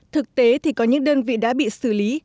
thực tế thì có những đơn vị đã bị xử lý